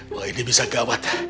wah ini bisa gawat